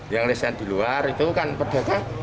yang riset di luar itu kan pedagang